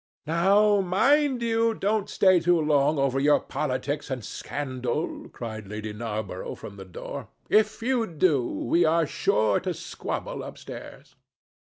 "Now, mind you don't stay too long over your politics and scandal," cried Lady Narborough from the door. "If you do, we are sure to squabble upstairs."